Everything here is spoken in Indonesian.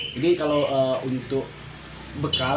jadi kalau untuk bekal